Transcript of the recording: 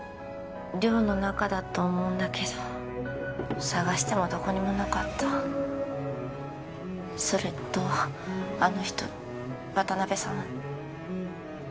寮の中だと思うんだけど捜してもどこにもなかったそれとあの人渡辺さん？